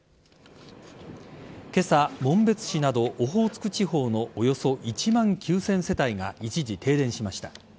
今朝、紋別市などオホーツク地方のおよそ１万９０００世帯が一時停電しました。